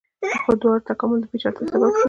خو د دواړو تکامل د پیچلتیا سبب شو.